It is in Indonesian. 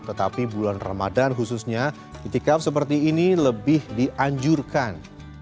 tetapi bulan ramadan khususnya itikaf seperti ini lebih dianjurkan